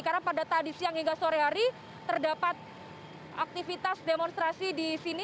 karena pada tadi siang hingga sore hari terdapat aktivitas demonstrasi di sini